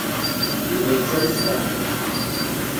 Yuba yettaru s leɛqel.